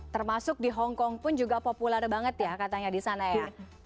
termasuk di hongkong pun juga populer banget ya katanya di sana ya